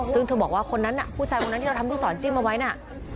ซึ่งเธอบอกว่าคนนั้นน่ะผู้ชายคนนั้นที่เราทำลูกศรจิ้มเอาไว้น่ะ